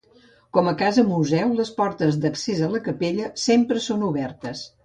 Com a casa museu les portes d’accés a la capella sempre són obertes.